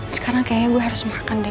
sekarang kayaknya gue harus makan deh